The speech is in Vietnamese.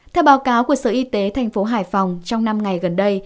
theo báo cáo của sở y tế thành phố hải phòng trong năm ngày gần đây